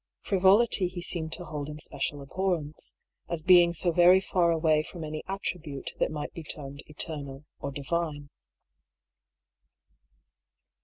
Frivolity he seemed to hold in special abhorrence, as being so very far away from any attribute that might be termed eter nal or divine.